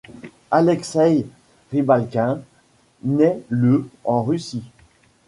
Alexey Rybalkin naît le en Russie.